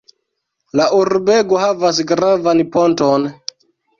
La urbego havas gravan ponton.